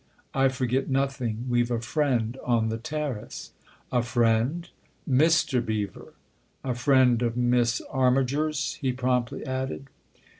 "I forget nothing. We've a friend on the terrace." "A friend?" " Mr. Beever. A friend of Miss Armiger's," he promptly added.